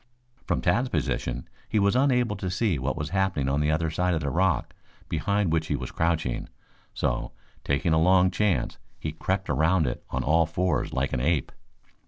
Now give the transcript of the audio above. From Tad's position he was unable to see what was happening on the other side of the rock behind which he was crouching, so, taking a long chance, he crept around it on all fours like an ape.